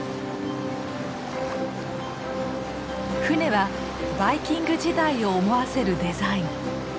船はヴァイキング時代を思わせるデザイン。